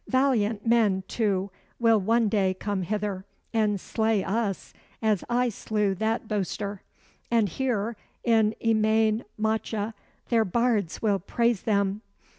Valiant men too will one day come hither and slay us as I slew that boaster, and here in Emain Macha their bards will praise them.